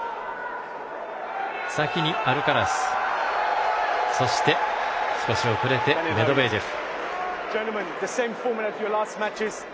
先にアルカラスそして、少し遅れてメドベージェフ。